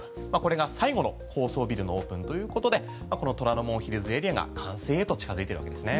これが最後の高層ビルのオープンということでこの虎ノ門ヒルズエリアが完成へと近づいてるわけですね。